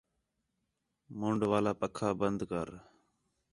مُنڈولا پَکھا بند کر